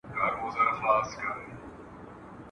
خریدار به دي راغلی د اوربل وي !.